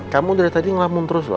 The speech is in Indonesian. kamu dari tadi ngelamung terus loh